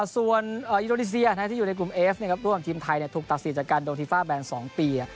ส่วนอินโดนีเซียที่อยู่ในกลุ่มเอฟร่วมทีมไทยถูกตัดสิทธิจากการโดนทีฟ่าแบน๒ปี